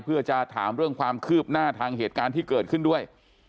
เพื่อจะถามเรื่องความคืบหน้าทางเหตุการณ์ที่เกิดขึ้นด้วย